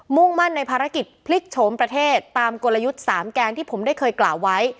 ่งมั่นในภารกิจพลิกโฉมประเทศตามกลยุทธ์๓แกนที่ผมได้เคยกล่าวไว้